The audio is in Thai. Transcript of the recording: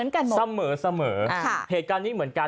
เค้กัณฑ์เหมือนกัน